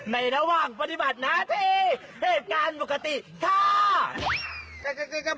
ในระหว่างปฏิบัติหน้าที่เหตุการณ์ปกติถ้า